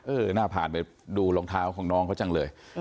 หน้าผ่านไปดูรองเท้าของน้องเขาจังเลย